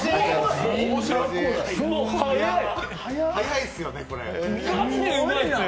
早いっすよね、これ。